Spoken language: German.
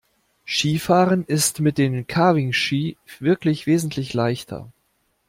Skifahren ist mit den Carving-Ski wirklich wesentlich leichter.